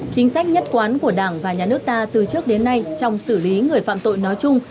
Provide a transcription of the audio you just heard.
chính sách nhất quán của đảng và nhà nước ta từ trước đến nay trong xử lý người phạm tội nói chung